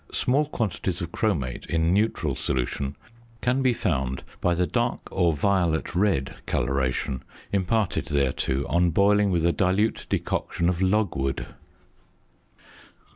Small quantities of chromate in neutral solution can be found by the dark or violet red colouration imparted thereto on boiling with a dilute decoction of logwood.